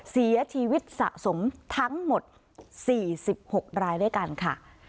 เสียชีวิตสะสมทั้งหมด๔๖รายด้วยกันค่ะ